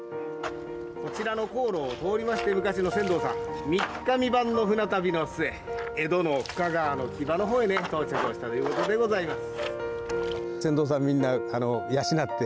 こちらの航路を通りまして、昔の船頭さん、三日三晩の船旅の末、江戸の深川の木場のほうへ到着したということでございます。